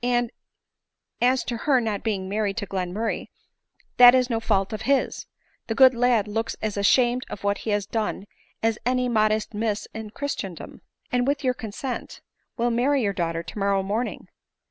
And as to her not being married to Glenmurray, that is no fault of his ; the good lad looks as ashamed of what he has done as any modest miss in Christendom ; and, with your consent, will marry your daughter tomorrow morning.